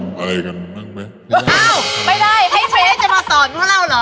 อ้าวไม่ได้ไท้เชเดชน์จะมาสอนเพื่อนเราเหรอ